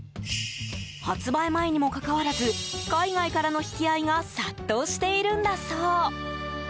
発売前にもかかわらず海外からの引き合いが殺到しているんだそう。